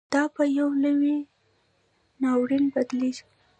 دا پـه يـو لـوى نـاوريـن بـدليږي.